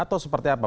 atau seperti apa